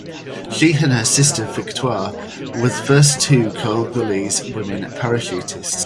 She and her sister Victoire were the first two Congolese women parachutists.